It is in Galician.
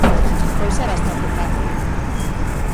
Pois é bastante fácil.